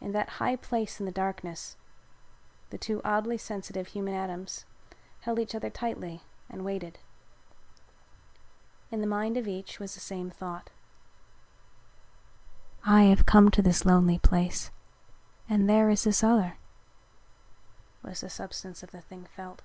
In that high place in the darkness the two oddly sensitive human atoms held each other tightly and waited. In the mind of each was the same thought. "I have come to this lonely place and here is this other," was the substance of the thing felt.